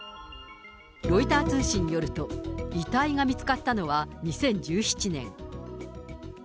ロイター通信によると、遺体が見つかったのは２０１７年。